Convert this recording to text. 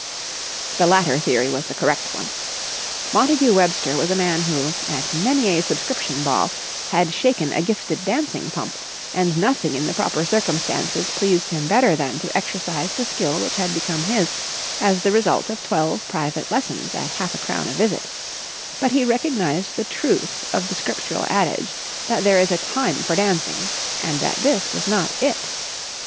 The latter theory was the correct one. Montagu Webster was a man who, at many a subscription ball, had shaken a gifted dancing pump, and nothing in the proper circumstances pleased him better than to exercise the skill which had become his as the result of twelve private lessons at half a crown a visit; but he recognised the truth of the scriptural adage that there is a time for dancing, and that this was not it.